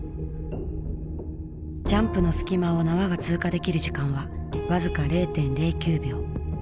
ジャンプの隙間を縄が通過できる時間は僅か０．０９秒。